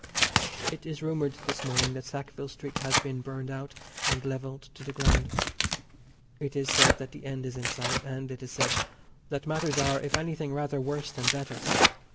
It is rumoured this morning that Sackville Street has been burned out and levelled to the ground. It is said that the end is in sight; and, it is said, that matters are, if anything rather worse than better.